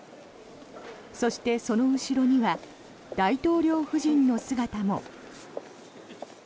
そして、その後ろには大統領夫人の姿も。